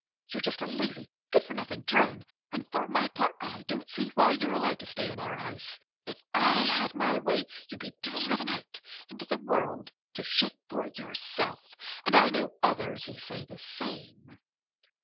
"You're just a lazy, good for nothing drone. And for my part, I don't see why you're allowed to stay in our house. If I had my way you'd be driven out into the world to shift for yourself.... And I know others who say the same."